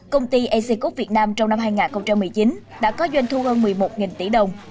công ty ecq việt nam trong năm hai nghìn một mươi chín đã có doanh thu hơn một mươi một tỷ đồng